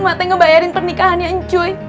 emak teh ngebayarin pernikahannya cuy